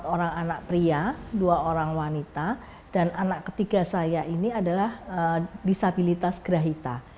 empat orang anak pria dua orang wanita dan anak ketiga saya ini adalah disabilitas gerahita